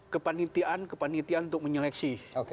kepanitian kepanitian untuk menyeleksi